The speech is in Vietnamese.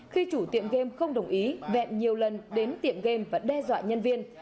khi chủ tiệm game không đồng ý vẹn nhiều lần đến tiệm game và đe dọa nhân viên